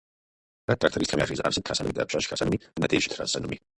Хэт трактористхэм яжезыӏэр сыт трасэнуми, дапщэщ хасэнуми, дэнэ деж щытрасэнуми?